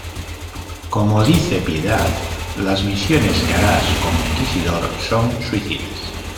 Como dice Piedad: ""¡Las misiones que harás como Inquisidor son suicidas!